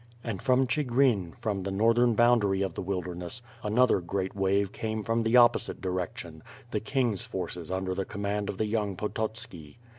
And from Chigrin, from the northern boundary of the wilderness, another great wave came from the opposite di rection: The King's forces under the command of the young Pototski.